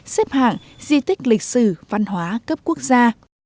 xếp hạng di tích lịch sử văn hóa cấp quốc gia